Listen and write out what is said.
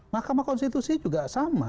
makam konstitusi juga sama